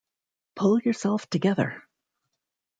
Pull yourself together.